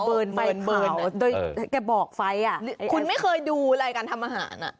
เบิร์นโดยแกบอกไฟอ่ะคุณไม่เคยดูรายการทำอาหารอ่ะ